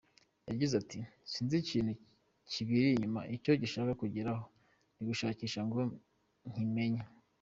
Yagize ati: sinzi ikintu kibiri inyuma icyo bishaka kugeraho, ndi gushakisha ngo nkimenye”.